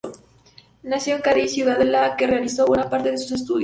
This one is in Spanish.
Nació en Cádiz, ciudad en la que realizó buena parte de sus estudios.